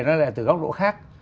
nó lại từ góc độ khác